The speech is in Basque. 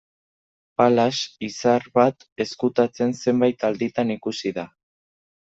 Palas, izar bat ezkutatzen zenbait alditan ikusi da.